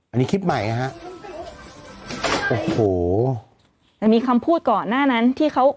อันนี้คลิปใหม่นะฮะโอ้โหแต่มีคำพูดก่อนหน้านั้นที่เขา